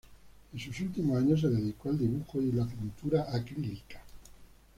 En sus últimos años, se dedicó al dibujo y la pintura acrílica.